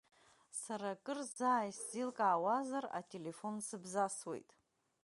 Сара, акыр заа исзеилкаауазар, ателефон сыбзасуеит.